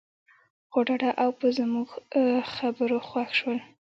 خو ډاډه او په زموږ خبرو خوښ شول.